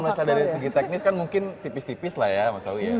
kalau dari segi teknis kan mungkin tipis tipis lah ya mas owi